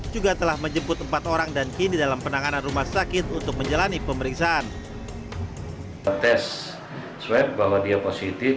juga telah menjemput empat orang dan kin di dalam penanganan rumah sakit